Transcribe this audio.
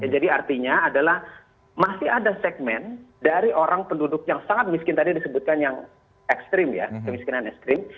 jadi artinya adalah masih ada segmen dari orang penduduk yang sangat miskin tadi disebutkan yang ekstrim ya kemiskinan ekstrim